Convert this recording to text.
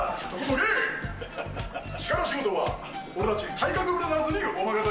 力仕事は俺たち、体格ブラザーズにお任せ。